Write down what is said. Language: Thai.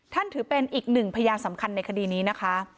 ถือเป็นอีกหนึ่งพยานสำคัญในคดีนี้นะคะ